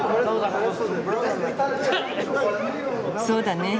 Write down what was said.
そうだね。